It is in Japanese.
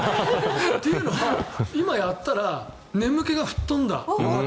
というのは、今やったら眠気が吹っ飛んだ。